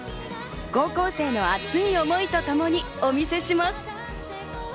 高校生の熱い想いとともにお見せします。